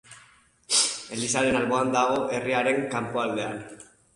Elizaren alboan dago, herriaren kanpoaldean.